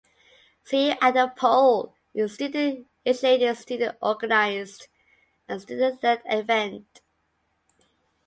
"See You at the Pole" is a student-initiated, student-organized, and student-led event.